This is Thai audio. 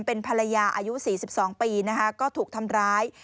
เป็นภรรยาอายุ๔๒ปีนะคะก็ถูกทำร้าย